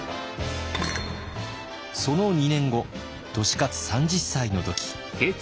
その２年後利勝３０歳の時。